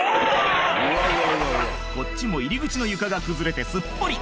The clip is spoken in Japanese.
こっちも入り口の床が崩れてすっぽり！